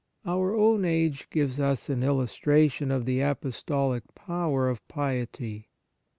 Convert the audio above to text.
Our own age gives us an illustra tion of the apostolic power of piety.